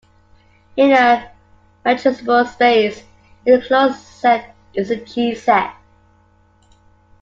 In a metrizable space, any closed set is a G set.